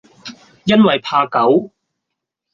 因爲怕狗，